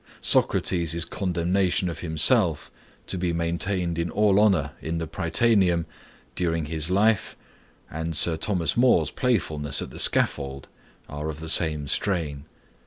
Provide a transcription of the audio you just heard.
Socrates's condemnation of himself to be maintained in all honor in the Prytaneum, during his life, and Sir Thomas More's playfulness at the scaffold, are of the same strain.